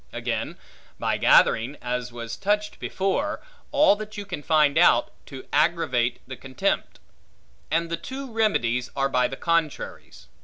Again, by gathering (as was touched before) all that you can find out, to aggravate the contempt. And the two remedies are by the contraries.